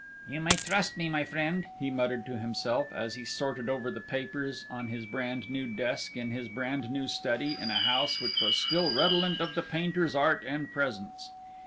"You may trust me, my friend," he muttered to himself, as he sorted over the papers on his brand new desk in his brand new study, in a house which was still redolent of the painter's art and presence.